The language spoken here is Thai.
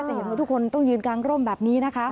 เห็นว่าทุกคนต้องยืนกลางร่มแบบนี้นะคะ